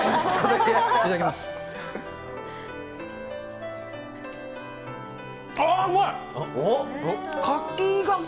いただきます。